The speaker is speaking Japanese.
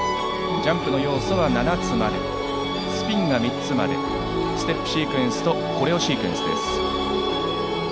ジャンプの要素は７つまでスピンが３つまでステップシークエンスとコレオシークエンスです。